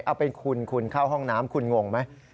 เอาเป็นคุณคุณเข้าห้องน้ำคุณงงไหม